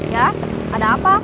ya ada apa